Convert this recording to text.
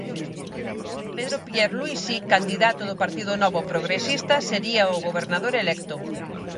Pedro Pierluisi, candidato do Partido Novo Progresista, sería o gobernador electo.